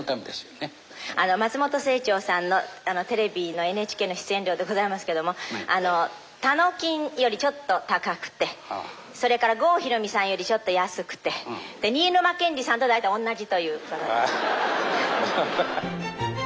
松本清張さんのテレビのＮＨＫの出演料でございますけどもたのきんよりちょっと高くてそれから郷ひろみさんよりちょっと安くてで新沼謙治さんと大体同じという。